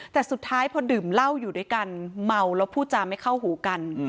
แต่สุดท้ายพอดื่มเหล้าอยู่ด้วยกันเมาแล้วพูดจาไม่เข้าหูกัน